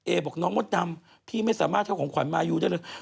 บอกน้องมดดำพี่ไม่สามารถเข้าของขวัญมายูได้เลย